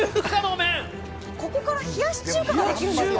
ここから冷やし中華ができるんですか？